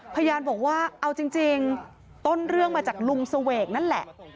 พยานบอกว่าเอาจริงต้นเรื่องมาจากลุงเสวกนั่นแหละ